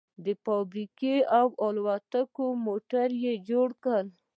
فابريکې او الوتکې او موټر يې جوړ کړل.